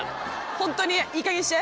ホントにいいかげんにして。